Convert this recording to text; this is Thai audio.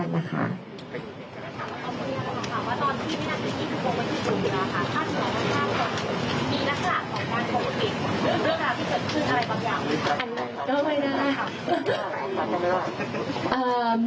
ในขณะหลักของนางของติ๊กเรื่องราวที่เกิดขึ้นอะไรบางอย่าง